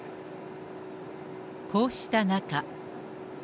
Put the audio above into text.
こうした中。